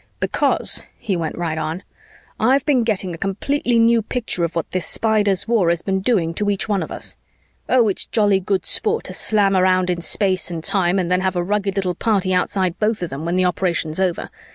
"Because," he went right on, "I've been getting a completely new picture of what this Spiders' war has been doing to each one of us. Oh, it's jolly good sport to slam around in space and time and then have a rugged little party outside both of them when the operation's over.